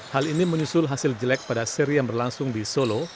hal ini menyusul hasil jelek pada seri yang berlangsung di solo